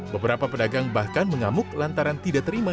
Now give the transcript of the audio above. beberapa pedagang bahkan mengamuk lantaran tidak terima